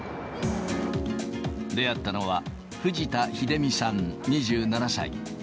出会ったのは、藤田秀美さん２７歳。